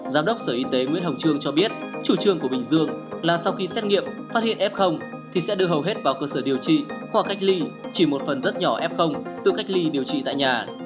giám đốc sở y tế nguyễn hồng trường cho biết chủ trương của bình dương là sau khi xét nghiệm phát hiện f thì sẽ đưa hầu hết vào cơ sở điều trị hoặc cách ly chỉ một phần rất nhỏ f tự cách ly điều trị tại nhà